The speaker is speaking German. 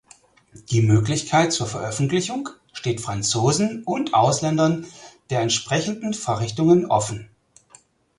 Die Möglichkeit zur Veröffentlichung steht Franzosen und Ausländern der entsprechenden Fachrichtungen offen.